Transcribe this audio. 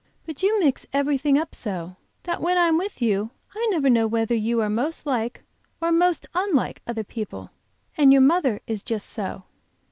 But you mix everything up so, that when I am with you I never know whether you are most like or most unlike other people. And your mother is just so."